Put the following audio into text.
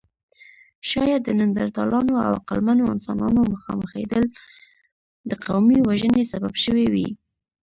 شاید د نیاندرتالانو او عقلمنو انسانانو مخامخېدل د قومي وژنې سبب شوې وي.